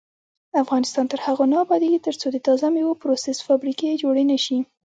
افغانستان تر هغو نه ابادیږي، ترڅو د تازه میوو پروسس فابریکې جوړې نشي.